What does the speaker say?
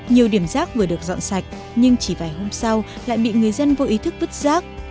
nhiều điểm rác vừa được dọn sạch nhưng chỉ vài hôm sau lại bị người dân vô ý thức vứt rác